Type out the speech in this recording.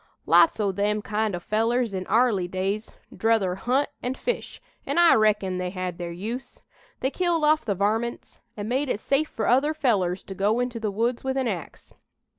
Lots o' them kind o' fellers in 'arly days, 'druther hunt and fish, an' I reckon they had their use. They killed off the varmints an' made it safe fur other fellers to go into the woods with an ax.